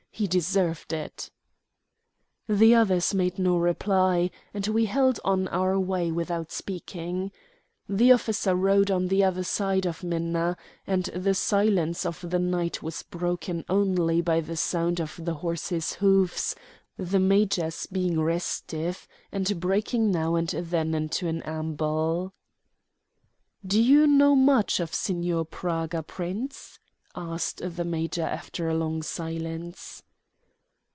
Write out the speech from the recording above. He deserved it." The others made no reply, and we held on our way without speaking. The officer rode on the other side of Minna; and the silence of the night was broken only by the sound of the horses' hoofs, the major's being restive, and breaking now and then into an amble. "Do you know much of Signor Praga, Prince?" asked the major after a long silence.